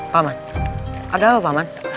paman ada apa paman